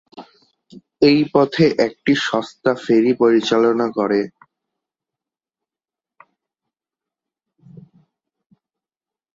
এই পথে এটি সংস্থা ফেরী পরিচালনা করে।